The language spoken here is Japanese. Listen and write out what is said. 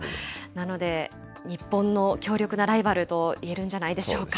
なので、日本の強力なライバルといえるんじゃないでしょうか。